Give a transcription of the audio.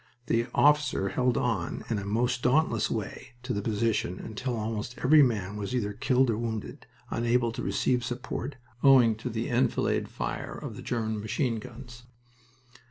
The officer held on in a most dauntless way to the position, until almost every man was either killed or wounded, unable to receive support, owing to the enfilade fire of the German machine guns.